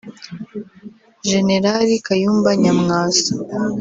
Jenerali Kayumba Nyamwasa